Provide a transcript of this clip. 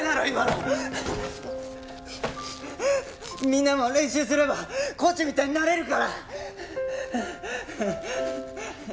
みんなも練習すればコーチみたいになれるから！